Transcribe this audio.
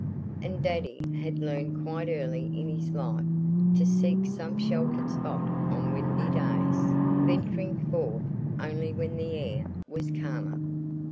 And Daddy had learned quite early in his life to seek some sheltered spot on windy days, venturing forth only when the air was calmer.